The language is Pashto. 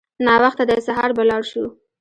ناوخته دی سهار به لاړ شو.